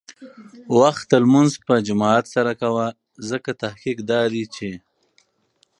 وخته لمونځ په جماعت سره کوه، ځکه تحقیق دا دی چې